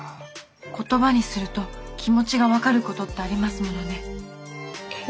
言葉にすると気持ちが分かることってありますものね。